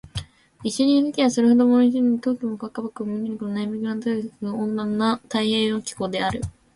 地域によって気候は異なるが、一般には夏季はそれほど猛暑にはならず、冬季も若葉区や緑区など内陸部を除き暖かくて温和な太平洋側気候である。